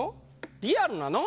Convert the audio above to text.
リアルなの？」。